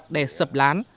đè sập lán